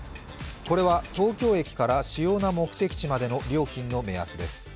これは東京駅から主要な目的地までの料金の目安です。